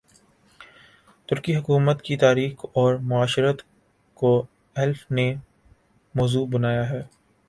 ترکی حکومت کی تاریخ اور معاشرت کو ایلف نے موضوع بنایا ہے